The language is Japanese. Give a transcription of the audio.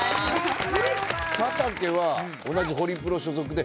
佐竹は同じホリプロ所属で幾つ？